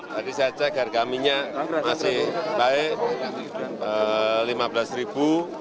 tadi saya cek harga minyak masih baik rp lima belas